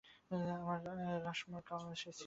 আমার রাশমোরও সে ছিল।